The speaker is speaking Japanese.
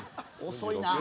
遅いなあ。